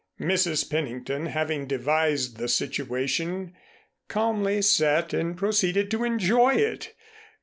Mrs. Pennington having devised the situation, calmly sat and proceeded to enjoy it.